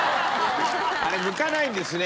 あれむかないんですね